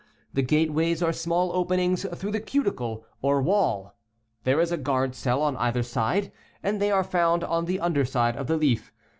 The gateways are small openings through the cuticle or wall. There is a guard cell on either side, and they are found on the un dersideof theleaf.